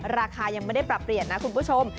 ราคายังไม่ได้ปรับเปลี่ยนนะคุณผู้ชม